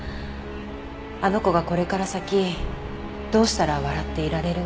あの子がこれから先どうしたら笑っていられるのか。